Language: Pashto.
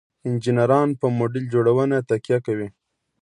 انجینران په موډل جوړونه تکیه کوي.